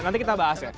nanti kita bahas ya